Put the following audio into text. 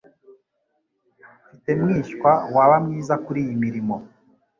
Mfite mwishywa waba mwiza kuriyi mirimo.